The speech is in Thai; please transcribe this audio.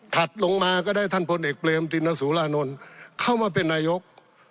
ลงมาก็ได้ท่านพลเอกเปรมตินสุรานนท์เข้ามาเป็นนายก